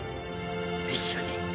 一緒に。